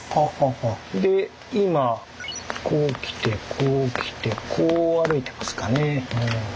で今こう来てこう来てこう歩いてますかね。